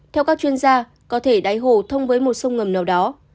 theo các chuyên gia có thể đáy hồ thông với một sông ngầm nào đó